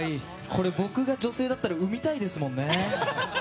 これ僕が女性だったら産みたいですもんね。